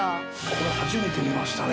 これ初めて見ましたね